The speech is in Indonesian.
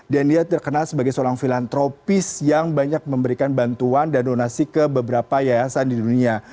dan dia terkenal sebagai seorang filantropis yang banyak memberikan bantuan dan donasi ke beberapa yayasan di dunia